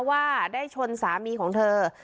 ว่าได้ชนสามีของเธอ